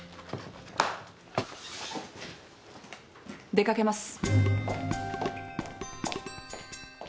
出かけます。